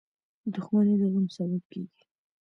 • دښمني د غم سبب کېږي.